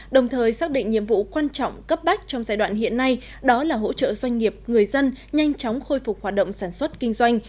đồng thời xác định nhiệm vụ quan trọng cấp bách trong giai đoạn hiện nay đó là hỗ trợ doanh nghiệp người dân nhanh chóng khôi phục hoạt động sản xuất kinh doanh